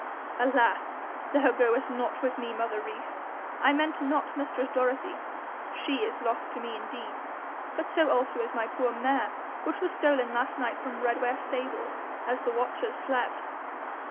'Alas! thou goest not with me, mother Rees. I meant not mistress Dorothy. She is lost to me indeed; but so also is my poor mare, which was stolen last night from Redware stables as the watchers slept.'